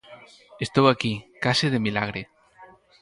Estou aquí, case de milagre.